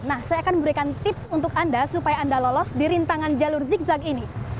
nah saya akan memberikan tips untuk anda supaya anda lolos di rintangan jalur zigzag ini